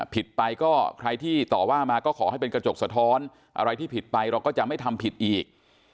ผิดไปก็ใครที่ต่อว่ามาก็ขอให้เป็นกระจกสะท้อนอะไรที่ผิดไปเราก็จะไม่ทำผิดอีก